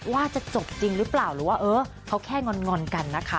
ว่าจะจบจริงหรือเปล่าหรือว่าเออเขาแค่งอนกันนะคะ